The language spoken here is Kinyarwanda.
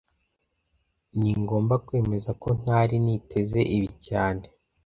Ningomba kwemeza ko ntari niteze ibi cyane